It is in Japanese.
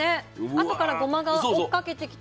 あとからゴマが追っかけてきて。